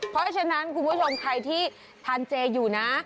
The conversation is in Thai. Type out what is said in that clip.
เพราะฉะนั้นคุณผู้ชมใครที่ทานเจอยู่นะ